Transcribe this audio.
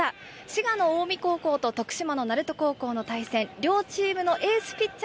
滋賀の近江高校と徳島の鳴門高校の対戦、両チームのエースピッチ